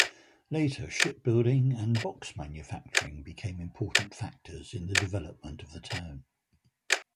Later, shipbuilding and box manufacturing became important factors in the development of the town.